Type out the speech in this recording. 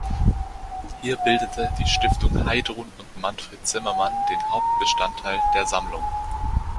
Hier bildete die "Stiftung Heidrun und Manfred Zimmermann" den Hauptbestandteil der Sammlung.